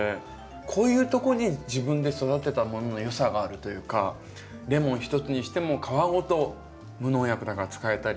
こういうとこに自分で育てたもののよさがあるというかレモン一つにしても皮ごと無農薬だから使えたり。